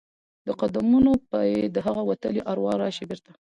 د قدمونو به یې هغه وتلي اروا راشي بیرته؟